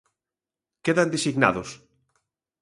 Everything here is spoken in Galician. Quedan designados.